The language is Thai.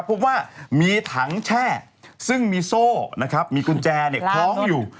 พบว่ามีถังแช่ซึ่งมีโซ่มีกุญแจพร้อมอยู่